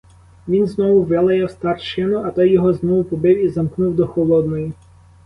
Він знову вилаяв старшину, а той його знову побив і замкнув до холодної.